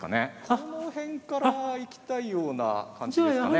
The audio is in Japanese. この辺からいきたいような感じですかね。